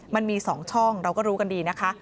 มันมี๒ช่องเราก็รู้กันดีนะคะ